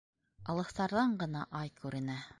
Алыҫтарҙан ғына, ай, күренә